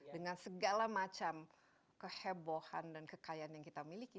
dengan segala macam kehebohan dan kekayaan yang kita miliki